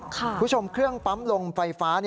คุณผู้ชมเครื่องปั๊มลมไฟฟ้า